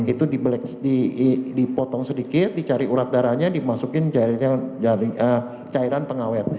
itu dipotong sedikit dicari urat darahnya dimasukin cairan pengawet